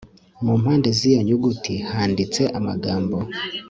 mu mpande z iyo nyuguti handitse amagambo